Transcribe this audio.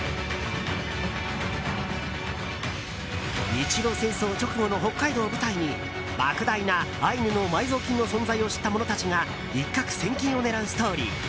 日露戦争直後の北海道を舞台に莫大なアイヌの埋蔵金の存在を知った者たちが一獲千金を狙うストーリー。